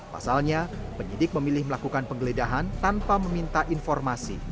pasalnya penyidik memilih melakukan penggeledahan tanpa meminta informasi